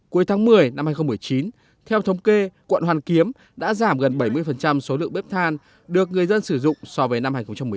cuối tháng một mươi năm hai nghìn một mươi chín theo thống kê quận hoàn kiếm đã giảm gần bảy mươi số lượng bếp than được người dân sử dụng so với năm hai nghìn một mươi tám